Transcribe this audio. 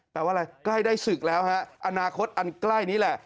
แปลว่าอะไรใกล้ได้ศึกแล้วฮะอนาคตอันใกล้นี้แหละ